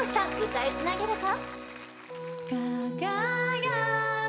歌いつなげるか？